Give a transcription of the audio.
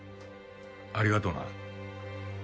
ありがとな。